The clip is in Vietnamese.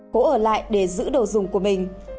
cố ở lại để giữ đồ dùng của mình